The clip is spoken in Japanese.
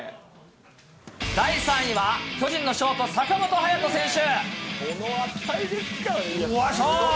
第３位は巨人のショート、坂本勇人選手。